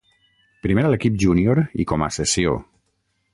Primer a l'equip júnior i com a cessió.